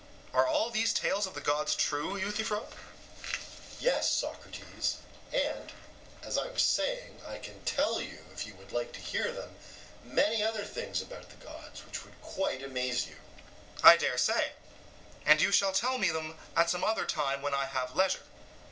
Are all these tales of the gods true, Euthyphro? EUTHYPHRO: Yes, Socrates; and, as I was saying, I can tell you, if you would like to hear them, many other things about the gods which would quite amaze you. SOCRATES: I dare say; and you shall tell me them at some other time when I have leisure.